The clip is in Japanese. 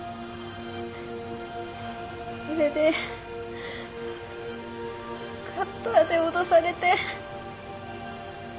それでカッターで脅されて